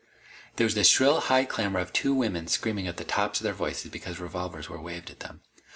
There was the shrill high clamor of two women screaming at the tops of their voices because revolvers were waved at them.